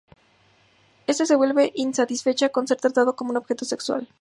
Eve se vuelve insatisfecha con ser tratado como un objeto sexual.